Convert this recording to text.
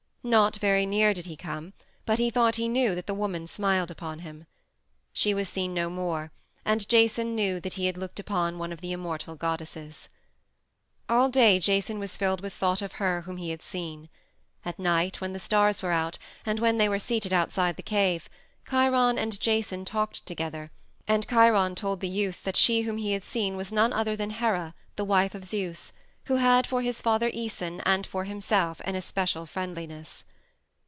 Not very near did he come, but he thought he knew that the woman smiled upon him. She was seen no more, and Jason knew that he had looked upon one of the immortal goddesses. All day Jason was filled with thought of her whom he had seen. At night, when the stars were out, and when they were seated outside the cave, Chiron and Jason talked together, and Chiron told the youth that she whom he had seen was none other than Hera, the wife of Zeus, who had for his father Æson and for himself an especial friendliness.